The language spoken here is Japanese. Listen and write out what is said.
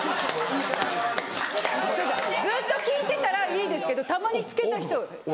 ずっと聴いてたらいいですけどたまにつけた人。